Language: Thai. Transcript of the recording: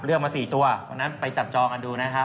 มา๔ตัววันนั้นไปจับจองกันดูนะครับ